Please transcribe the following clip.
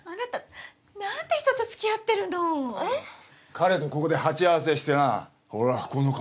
彼とここで鉢合わせしてなほらこの顔。